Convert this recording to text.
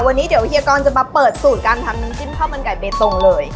วันนี้เฮียอากรจะมาเปิดสูตรการทำจิ้มข้าวมันไก่เบตตรงเลย